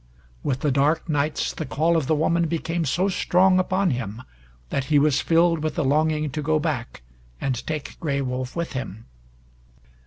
With the dark nights the call of the woman became so strong upon him that he was filled with a longing to go back, and take Gray Wolf with him.